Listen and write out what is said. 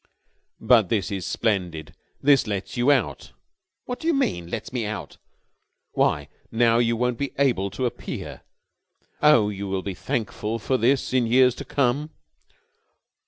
"But this is splendid! This lets you out." "What do you mean? Lets me out?" "Why, now you won't be able to appear. Oh, you will be thankful for this in years to come."